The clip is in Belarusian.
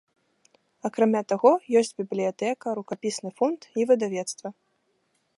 Акрамя таго, ёсць бібліятэка, рукапісны фонд і выдавецтва.